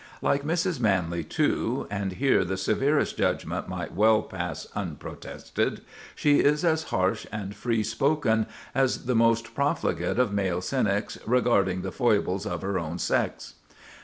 Like Mrs. Manley, too,—and here the severest judgment might well pass unprotested,—she is as harsh and free spoken as the most profligate of male cynics regarding the foibles of her own sex.